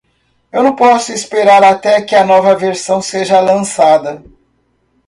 Eu não posso esperar até que a nova versão seja lançada.